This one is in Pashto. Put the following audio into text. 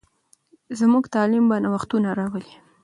زموږ تعلیم به نوښتونه راولي.